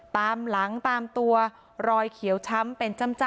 ตามหลังตามตัวรอยเขียวช้ำเป็นจ้ำ